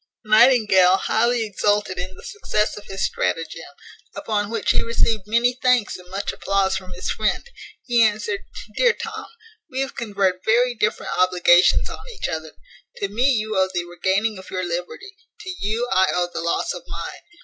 Nightingale highly exulted in the success of his stratagem, upon which he received many thanks and much applause from his friend. He answered, "Dear Tom, we have conferred very different obligations on each other. To me you owe the regaining your liberty; to you I owe the loss of mine.